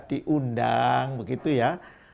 diundang begitu ya